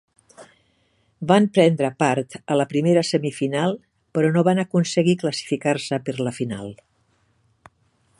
Van prendre part a la primera semifinal però no van aconseguir classificar-se per la final.